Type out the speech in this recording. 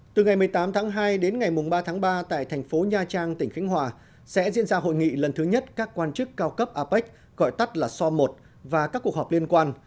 từ ngày một mươi tám tháng hai đến ngày ba tháng ba tại thành phố nha trang tỉnh khánh hòa sẽ diễn ra hội nghị lần thứ nhất các quan chức cao cấp apec gọi tắt là so một và các cuộc họp liên quan